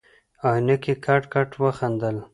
عينکي کټ کټ وخندل.